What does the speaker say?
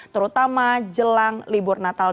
terutama jelang libur natal